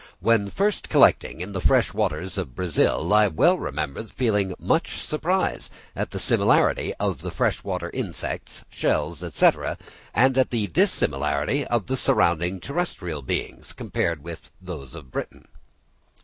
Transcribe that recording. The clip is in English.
When first collecting in the fresh waters of Brazil, I well remember feeling much surprise at the similarity of the fresh water insects, shells, &c., and at the dissimilarity of the surrounding terrestrial beings, compared with those of Britain.